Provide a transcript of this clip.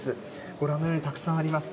ご覧のようにたくさんあります。